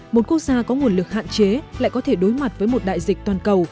một quốc gia có nguồn lực hạn chế lại có thể đối mặt với một đại dịch toàn cầu